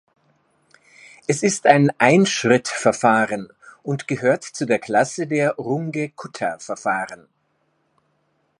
Es ist ein Einschrittverfahren und gehört zu der Klasse der Runge-Kutta-Verfahren.